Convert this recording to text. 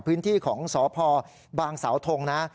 พื้นที่ของสพบางสาวทงนะ